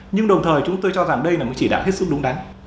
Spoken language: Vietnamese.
nhưng đồng thời chúng tôi cho rằng đây là chỉ đạo hết sức đúng đánh